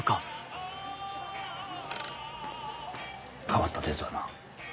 変わったデートだな。